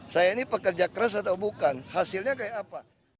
saya ini pekerja keras atau bukan hasilnya kayak apa